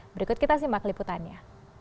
berikut kita simak liputannya